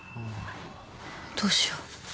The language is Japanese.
どうしよう。